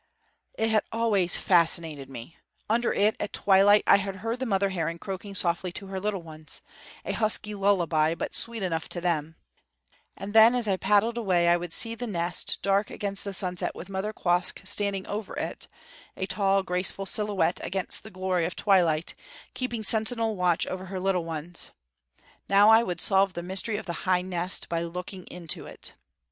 It had always fascinated me. Under it, at twilight, I had heard the mother heron croaking softly to her little ones a husky lullaby, but sweet enough to them and then, as I paddled away, I would see the nest dark against the sunset with Mother Quoskh standing over it, a tall, graceful silhouette against the glory of twilight, keeping sentinel watch over her little ones. Now I would solve the mystery of the high nest by looking into it.